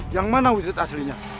yang mana wujud aslinya